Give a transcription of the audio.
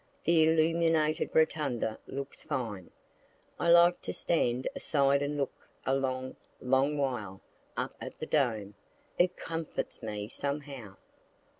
The illuminated rotunda looks fine. I like to stand aside and look a long, long while, up at the dome; it comforts me somehow.